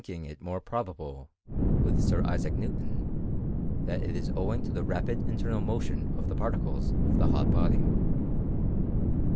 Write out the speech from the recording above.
347 thmkiag it more probable, with Sir Isaac Newton, that k is owing to the rapid internal motion of the particles •of the hot body.